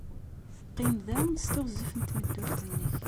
Qqim da s teɣzef n tmeddurt-nnek.